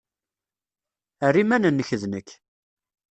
Err iman-nnek d nekk.